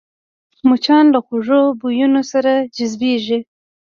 مچان له خوږو بویونو سره جذبېږي